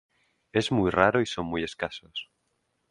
Es muy raro y son muy escasos.